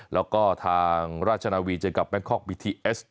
แล้วก็ทางราชนาวีเจอกับแบงคอกบีทีเอส